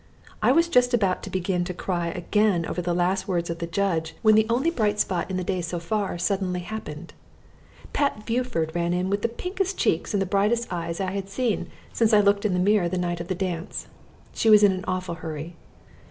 I was just about to begin to cry again over the last words of the judge, when the only bright spot in the day so far suddenly happened. Pet Buford ran in with the pinkest cheeks and the brightest eyes I had seen since I looked in the mirror the night of the dance. She was in an awful hurry.